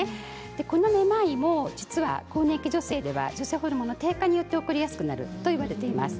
このめまいも実は更年期女性の場合女性ホルモンの低下によって起こりやすくなるといわれています。